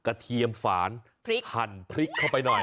กระเทียมฝานหั่นพริกเข้าไปหน่อย